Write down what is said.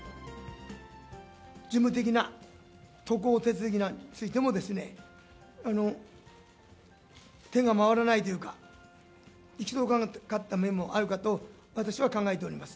事務的な渡航手続きについてもですね、手が回らないというか、行き届かなかった面もあるかと、私は考えております。